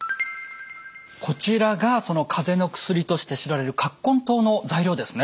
こちらがその風邪の薬として知られる根湯の材料ですね。